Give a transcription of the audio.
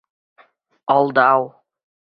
Алдау!